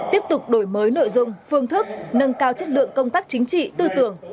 tiếp tục đổi mới nội dung phương thức nâng cao chất lượng công tác chính trị tư tưởng